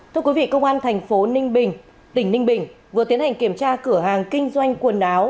thưa quý vị công an thành phố ninh bình tỉnh ninh bình vừa tiến hành kiểm tra cửa hàng kinh doanh quần áo